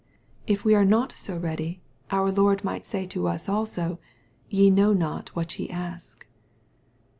If we are not so ready, our Lord might say to us also, ^^ Ye know not what ye ask."